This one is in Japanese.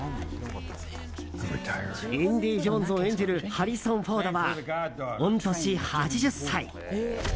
インディ・ジョーンズを演じるハリソン・フォードは御年８０歳。